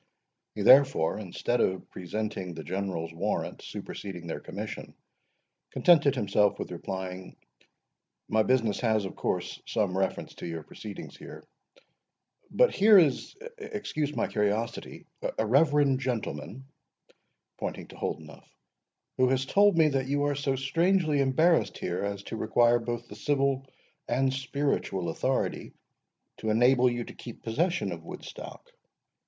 He, therefore, instead of presenting the General's warrant superseding their commission, contented himself with replying,—"My business has, of course, some reference to your proceedings here. But here is—excuse my curiosity—a reverend gentleman," pointing to Holdenough, "who has told me that you are so strangely embarrassed here, as to require both the civil and spiritual authority to enable you to keep possession of Woodstock."